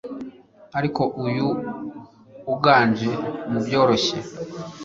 Ariko uyu uganje mubworoshye